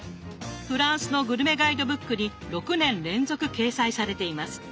フランスのグルメガイドブックに６年連続掲載されています。